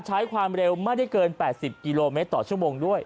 ใช้ความเร็วไม่ได้เกิน๘๐กิโลเมตรต่อชั่วโมงด้วย